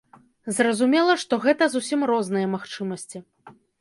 Зразумела, што гэта зусім розныя магчымасці.